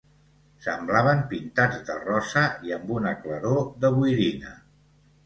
Semblaven pintats de rosa i amb una claror de boirina